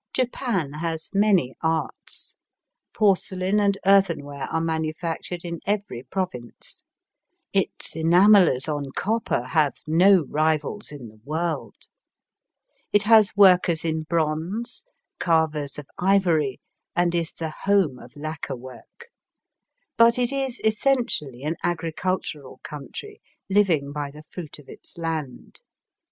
Japan has many arts. Porcelain and earth enware are manufactured in every province. Its enamellers on copper have no rivals in the Digitized by VjOOQIC ACBOSS COUNTRY IN JINRIKISHAS. 241 world. It has workers in bronze, carvers of ivory, and is the home of lacquer work. But it is essentially an agricultural country living by the fruit of its land.